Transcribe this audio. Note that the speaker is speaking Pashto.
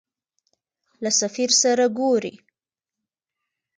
له سفیر سره ګورې.